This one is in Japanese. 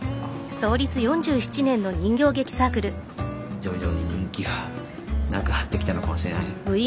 徐々に人気がなくなってきたのかもしれない。